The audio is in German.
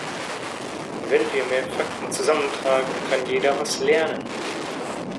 Wenn wir mehr Fakten zusammentragen, kann jeder was lernen.